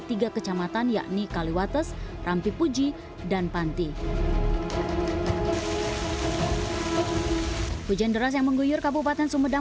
tiga kecamatan yakni kaliwates rampipuji dan panti hujan deras yang mengguyur kabupaten sumedang